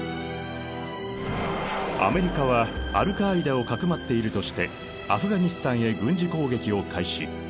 アメリカはアルカーイダをかくまっているとしてアフガニスタンへ軍事攻撃を開始。